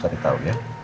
cari tau ya